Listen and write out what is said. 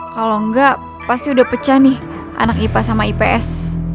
kalau enggak pasti udah pecah nih anak ipa sama ips